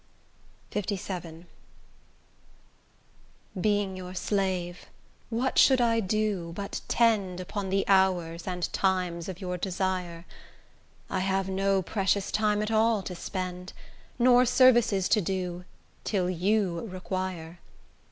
LVII Being your slave what should I do but tend, Upon the hours, and times of your desire? I have no precious time at all to spend; Nor services to do, till you require.